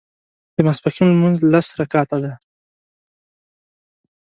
د ماسپښين لمونځ لس رکعته دی